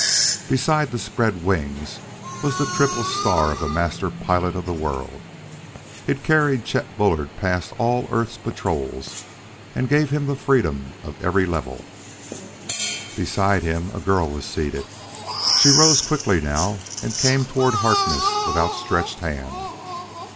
Beside the spread wings was the triple star of a master pilot of the world; it carried Chet Bullard past all earth's air patrols and gave him the freedom of every level. Beside him a girl was seated. She rose quickly now and came toward Harkness with outstretched hand.